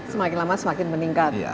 semakin lama semakin meningkat